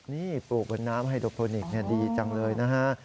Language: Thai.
นี่ปลูกบนน้ำไฮโดโทนิคดีจังเลยนะฮะ